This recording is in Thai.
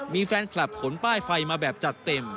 มีแฟนคลับขนป้ายไฟมาแบบจัดเต็ม